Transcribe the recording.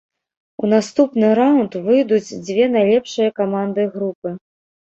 У наступны раўнд выйдуць дзве найлепшыя каманды групы.